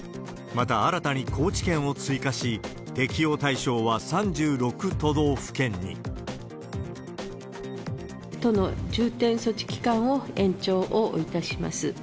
また、新たに高知県を追加し、適用対象は３６都道府県に。都の重点措置期間を延長をいたします。